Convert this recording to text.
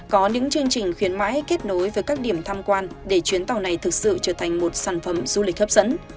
có những chương trình khuyến mãi kết nối với các điểm tham quan để chuyến tàu này thực sự trở thành một sản phẩm du lịch hấp dẫn